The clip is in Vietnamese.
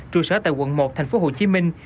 trụ sở tại quận một thành phố hồ chí minh